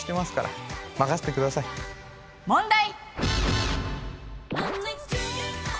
問題！